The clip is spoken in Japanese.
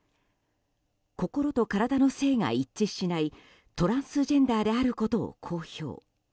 心と体の性が一致しないトランスジェンダーであることを公表。